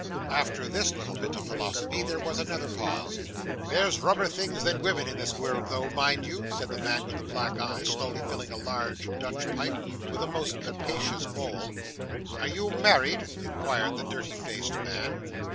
After this little bit of philosophy there was another pause. 'There's rummer things than women in this world though, mind you,' said the man with the black eye, slowly filling a large Dutch pipe, with a most capacious bowl. 'Are you married?' inquired the dirty faced man.